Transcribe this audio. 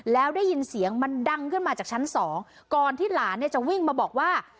แล้วได้ยินเสียงมันดังขึ้นมาจากชั้นสองก่อนที่หลานเนี่ยจะวิ่งมาบอกว่า